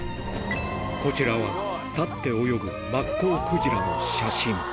こちらは立って泳ぐマッコウクジラの写真。